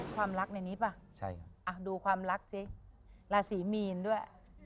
ความรักในนี้เปล่าดูความรักสิราศรีมีนด้วย